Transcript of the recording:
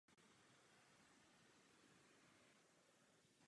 Hmyz má kompletní trávicí systém.